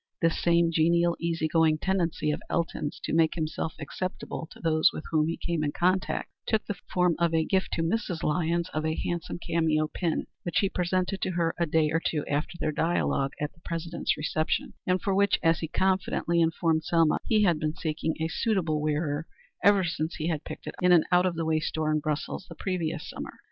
This same genial, easy going tendency of Elton's to make himself acceptable to those with whom he came in contact took the form of a gift to Mrs. Lyons of a handsome cameo pin which he presented to her a day or two after their dialogue at the President's reception, and for which, as he confidentially informed Selma, he had been seeking a suitable wearer ever since he had picked it up in an out of the way store in Brussels the previous summer.